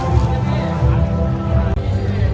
สโลแมคริปราบาล